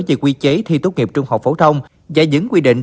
vì quy chế thi tốt nghiệp trung học phổ thông giải dứng quy định